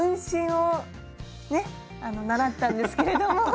習ったんですけれども。